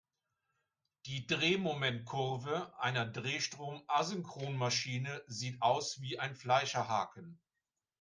Die Drehmomentkurve einer Drehstrom-Asynchronmaschine sieht aus wie ein Fleischerhaken.